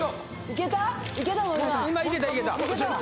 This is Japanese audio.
いけたの？